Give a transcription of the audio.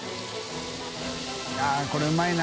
△これうまいな。